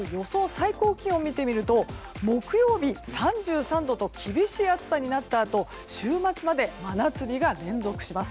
最高気温を見てみると木曜日、３３度と厳しい暑さになったあと週末まで真夏日が連続します。